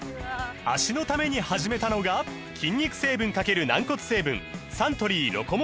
脚のために始めたのが筋肉成分×軟骨成分サントリー「ロコモア」です